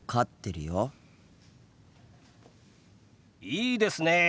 いいですねえ。